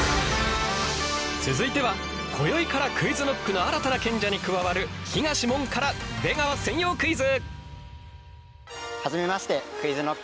続いてはこよいからＱｕｉｚＫｎｏｃｋの新たな賢者に加わる東問から出川専用クイズ！